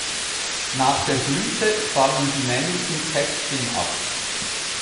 Nach der Blüte fallen die männlichen Kätzchen ab.